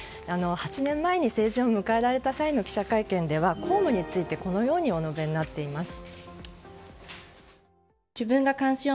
８年前に成人を迎えられた際の記者会見では公務についてこのようにお述べになっています。